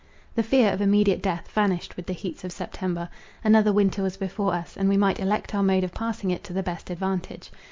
The fear of immediate death vanished with the heats of September. Another winter was before us, and we might elect our mode of passing it to the best advantage.